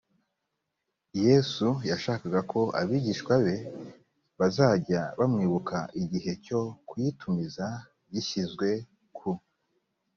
yesu yashakaga ko abigishwa be bazajya bamwibuka igihe cyo kuyitumiza gishyizwe ku